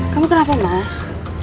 kamu kenapa mas